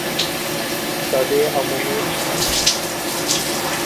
دادهٔ عمومی چیست؟